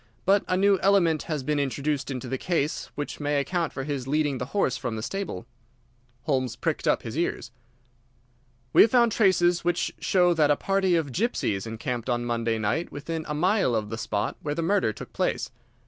But a new element has been introduced into the case which may account for his leading the horse from the stable." Holmes pricked up his ears. "We have found traces which show that a party of gypsies encamped on Monday night within a mile of the spot where the murder took place.